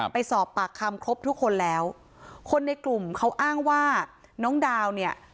ไปสอบปากคำครบทุกคนแล้วคนในกลุ่มเขาอ้างว่าน้องดาวเนี่ย